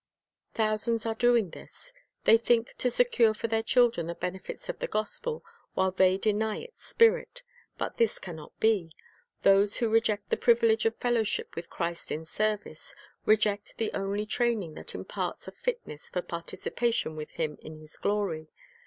Thousands are doing this. They think to secure for their children the benefits of the gospel, while they deny its spirit. But this can not be. Those who reject the privilege of fellowship with Christ in service, reject the only training that* imparts a fitness for participation with Him in His glory.